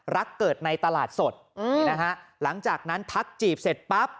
เกิดในตลาดสดนี่นะฮะหลังจากนั้นทักจีบเสร็จปั๊บ